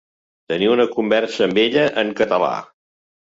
Tenir una conversa amb ella en català.